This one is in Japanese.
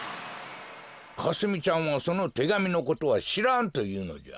かすみちゃんはそのてがみのことはしらんというのじゃ。